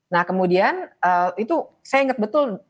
nah kemudian itu saya ingat betul